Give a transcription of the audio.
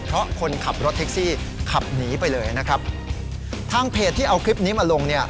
เพราะคนขับรถแท็กซี่ขับหนีไปเลยนะครับทางเพจที่เอาคลิปนี้มาลงเนี่ย